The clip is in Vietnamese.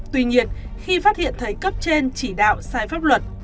tuy nhiên khi phát hiện thấy cấp trên chỉ đạo sai pháp luật